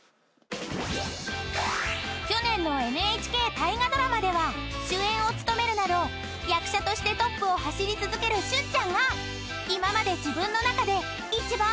［去年のＮＨＫ大河ドラマでは主演を務めるなど役者としてトップを走り続ける旬ちゃんが］